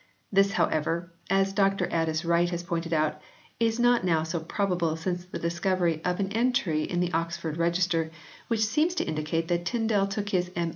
This, however, as Dr Aldis Wright has pointed out, is not now so probable since the discovery of an entry in the Oxford Register which seems to indicate that Tyndale took his M.